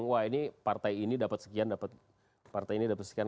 wah ini partai ini dapat sekian dapat partai ini dapat sekian